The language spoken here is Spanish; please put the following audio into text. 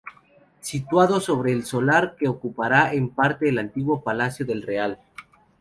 Situado sobre el solar que ocupara en parte el antiguo Palacio del Real.